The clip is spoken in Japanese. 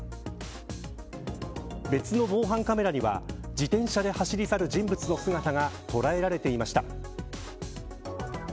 別の防犯カメラには自転車で走り去る人物の姿が捉えられていました。